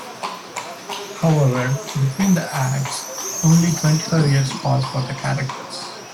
However, between the acts only twenty-five years pass for the characters.